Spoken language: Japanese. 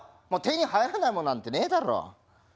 もう手に入らねえもんなんてねえだろ。